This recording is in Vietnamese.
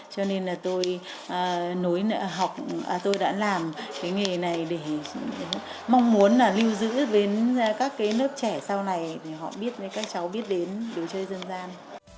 cho nên là tôi nối học tôi đã làm cái nghề này để mong muốn là lưu giữ đến các cái lớp trẻ sau này để họ biết các cháu biết đến đồ chơi dân gian